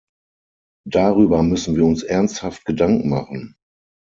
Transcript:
Darüber müssen wir uns ernsthaft Gedanken machen.